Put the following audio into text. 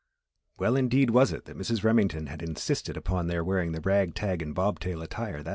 Well indeed was it that Mrs. Remington had insisted upon their wearing the rag tag and bobtail attire that day!